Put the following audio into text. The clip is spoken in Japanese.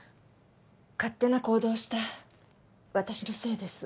勝手な行動をした私のせいです